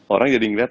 orang jadi ngeliat